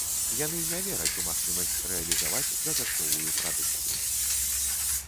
Яны не вераць у магчымасць рэалізаваць дадатковую прадукцыю.